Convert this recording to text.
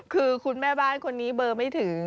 คือคุณแม่บ้านคนนี้เบอร์ไม่ถือ